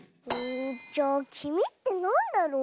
じゃあきみってなんだろう？